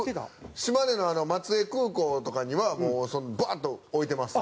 島根のあの松江空港とかにはもうブワッと置いてます。